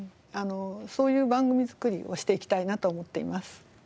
そういう番組作りをしていきたいなと思っています。